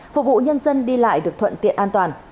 phục vụ nhân dân đi lại được thuận tiện an toàn